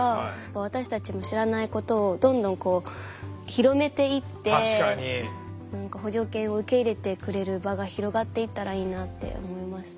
私たちの知らないことをどんどん広めていって補助犬を受け入れてくれる場が広がっていったらいいなって思いましたね。